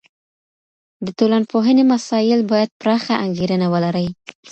د ټولنپوهني مسایل باید پراخه انګیرنه ولري.